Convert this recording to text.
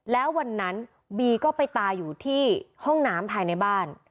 แล้ววันนั้นบีก็ไปตายอยู่ที่ห้องน้ำภายในบ้าน